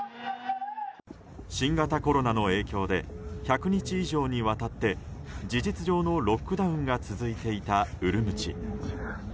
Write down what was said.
新型コロナの影響で１００日以上にわたって事実上のロックダウンが続いていたウルムチ。